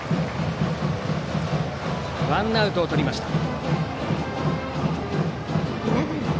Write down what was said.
ワンアウトをとりました。